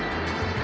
jangan makan aku